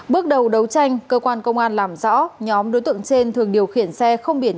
bước đầu đấu tranh cơ quan công an làm rõ nhóm đối tượng trên thường điều khiển xe không biển